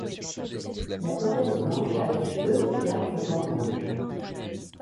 La tourelle est blanche avec deux larges bandes rouges.